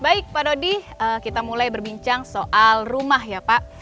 baik pak dodi kita mulai berbincang soal rumah ya pak